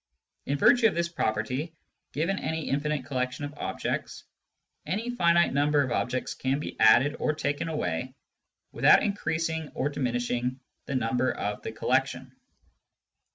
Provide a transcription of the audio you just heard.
In virtue of this property, given any infinite collection of objects, any finite number of objects can be added or taken away without increasing or diminishing the number of the collection.